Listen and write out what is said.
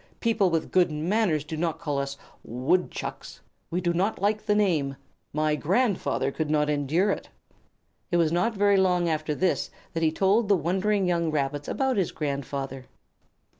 People with good manners do not call us 'Woodchucks.' We do not like the name. My grandfather could not endure it." It was not very long after this that he told the wondering young Rabbits about his grandfather.